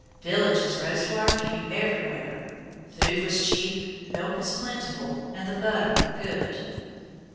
Villages rose to our view everywhere. Food was cheap, milk was plentiful, and the butter good.